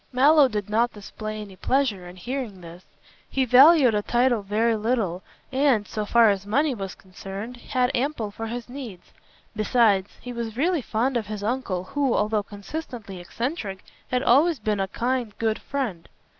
Mallow did not display any pleasure on hearing this. He valued a title very little and, so far as money was concerned, had ample for his needs. Besides, he was really fond of his uncle who, although consistently eccentric, had always been a kind, good friend.